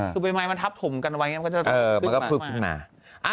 ถุบิไม้มันทับถุ่มกันไว้มันก็จะขึ้นมา